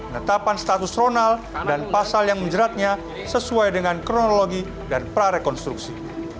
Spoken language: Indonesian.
netapan status ronald dan pasal yang menjeratnya sesuai dengan kronologi dan prarekonstruksi